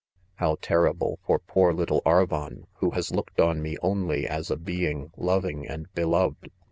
How terri ble "for poor little Arvon, who has looked on me only as a being loving and beloved